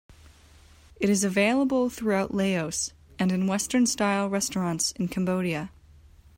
It is available throughout Laos, and in Western-style restaurants in Cambodia.